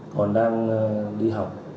còn đang đi học